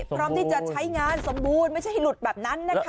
พร้อมที่จะใช้งานสมบูรณ์ไม่ใช่ให้หลุดแบบนั้นนะคะ